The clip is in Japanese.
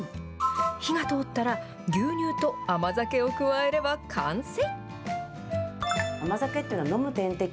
火が通ったら、牛乳と甘酒を加えれば、完成。